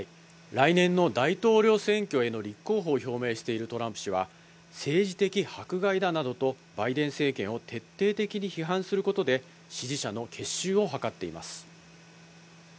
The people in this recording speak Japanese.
来年の大統領選挙への立候補を表明しているトランプ氏は、政治的迫害だなどとバイデン政権を徹底的に批判することで、支持者の結集を図っています。